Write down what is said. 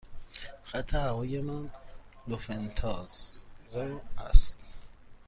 خط هوایی من لوفتانزا است.